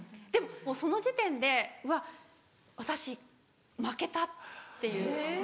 でももうその時点でうわ私負けたっていう。